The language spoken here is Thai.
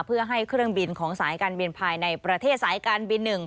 เพื่อให้เครื่องบินของสายการบินภายในประเทศสายการบิน๑